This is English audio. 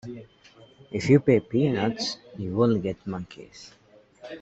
If you pay peanuts, you only get monkeys.